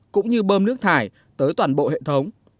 cũng như bơm nước thải tới toàn bộ hệ thống